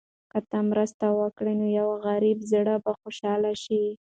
که ته مرسته وکړې، نو د یو غریب زړه به خوشحاله شي.